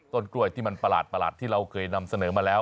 ต้นกล้วยที่มันประหลาดที่เราเคยนำเสนอมาแล้ว